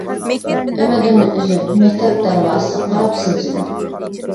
ئۈمىدىمنى ئۈزۈپ مەكتەپ دەرۋازىسىغا قاراپ سىلجىدىم.